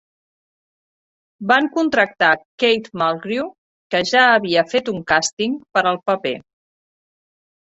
Van contractar Kate Mulgrew, que ja havia fet un càsting per al paper.